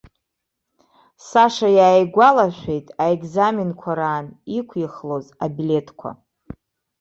Саша иааигәалашәеит аекзаменқәа раан иқәихлоз аблеҭқәа.